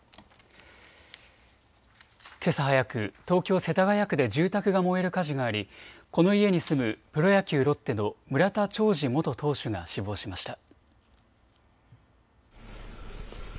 けさ早く、東京世田谷区で住宅が燃える火事があり、この家に住むプロ野球、ロッテの村田兆治元投手が死亡しました。